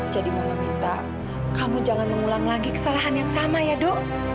jadi mama minta kamu jangan mengulang lagi kesalahan yang sama ya do